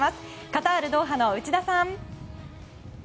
カタール・ドーハの内田さん。